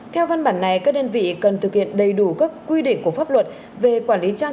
theo văn bản này các đơn vị cần thực hiện đầy đủ các quy định của pháp luật về quản lý trang